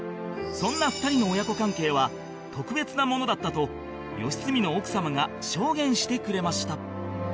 そんな２人の親子関係は特別なものだったと良純の奥様が証言してくれました